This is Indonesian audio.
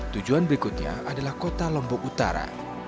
tujuan berikutnya adalah kota lombok utara